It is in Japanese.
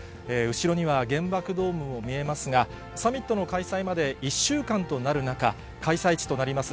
後ろには原爆ドームも見えますが、サミットの開催まで１週間となる中、開催地となります